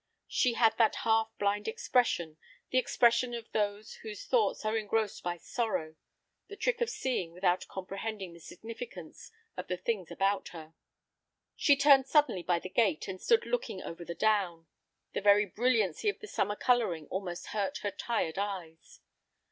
She had that half blind expression, the expression of those whose thoughts are engrossed by sorrow; the trick of seeing without comprehending the significance of the things about her. She turned suddenly by the gate, and stood looking over the down. The very brilliancy of the summer coloring almost hurt her tired eyes.